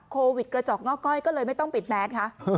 กระจกงอกก้อยก็เลยไม่ต้องปิดแมสคะ